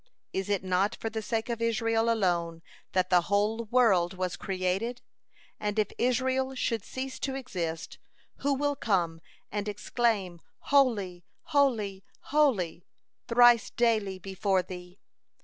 Is it not for the sake of Israel alone that the whole world was created, and if Israel should cease to exist, who will come and exclaim 'Holy, holy, holy' thrice daily before Thee?